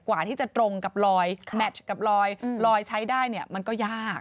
กว่าที่จะตรงกับลอยแมชกับลอยลอยใช้ได้เนี่ยมันก็ยาก